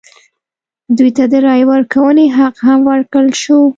دوی ته د رایې ورکونې حق هم ورکړل شو.